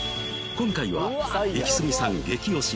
今回はイキスギさん激推し！